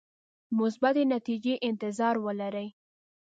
مثبتې نتیجې انتظار ولري.